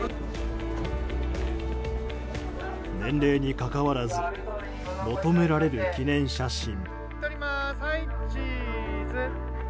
年齢に関わらず求められる記念写真。